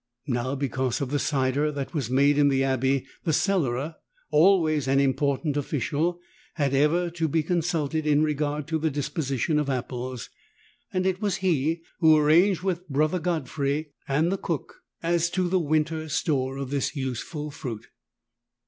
Now because of the cider that was made in the abbey, the Cellarer, always an important official, had ever to be consulted in regard to the disposition of apples, and it was he who arranged with Brother Godfrey and the Cook as to 24 the winter store of this useful fruit.